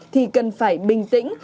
thì cần phải bình tĩnh